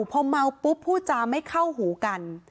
พอเมาปุ๊บผู้จาไม่เข้าหูกัน